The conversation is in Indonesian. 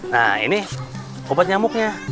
nah ini obat nyamuknya